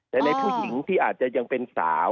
แต่ในผู้หญิงที่อาจจะยังเป็นสาว